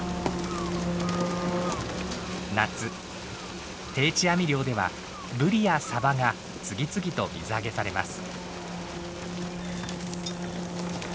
夏定置網漁ではブリやサバが次々と水揚げされます。